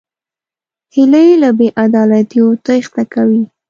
هیلۍ له بېعدالتیو تېښته کوي